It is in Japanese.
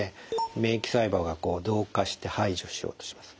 免疫細胞が増加して排除しようとします。